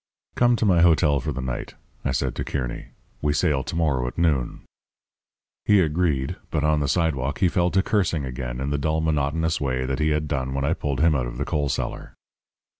"'Come to my hotel for the night,' I said to Kearny. 'We sail to morrow at noon.' "He agreed; but on the sidewalk he fell to cursing again in the dull monotonous way that he had done when I pulled him out of the coal cellar.